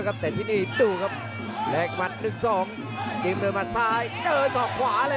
กระโดยสิ้งเล็กนี่ออกกันขาสันเหมือนกันครับ